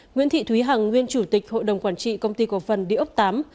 nguyễn thị thúy hằng nguyên chủ tịch hội đồng quản trị công ty cộng văn địa ốc viii